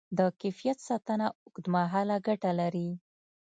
د کیفیت ساتنه اوږدمهاله ګټه لري.